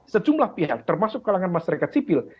sejumlah pihak termasuk kalangan masyarakat sipil